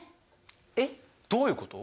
えっどういうこと？